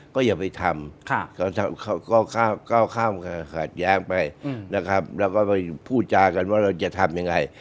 ก็อย่าไปทำก้าวข้ามขัดแย้งไปนะครับแล้วก็ไปพูดจากันว่าเราจะทำยังไง